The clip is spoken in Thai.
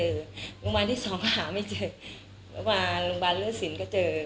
โรงพยาบาลที่สองก็หาไม่เจอโรงพยาบาลเลือดสินก็เจอ